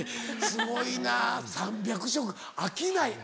すごいな３００食飽きない。